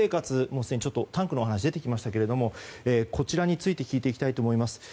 もうすでにタンクのお話が出てきましたがこちらについて聞いていきたいと思います。